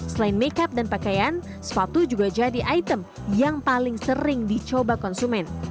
selain make up dan pakaian sepatu juga jadi item yang paling sering dicoba konsumen